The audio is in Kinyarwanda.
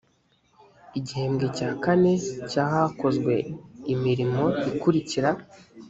gihembwe cya kane cya hakozwe imirimo ikurikira